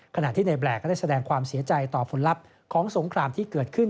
ขณะที่ในแบลกก็ได้แสดงความเสียใจต่อผลลัพธ์ของสงครามที่เกิดขึ้น